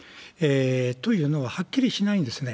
というのは、はっきりしないんですね。